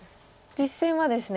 実戦はですね